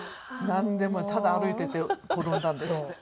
なんでもただ歩いてて転んだんですって。